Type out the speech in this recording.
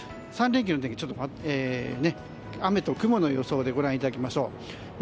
３連休の天気、雨と雲の予想でご覧いただきましょう。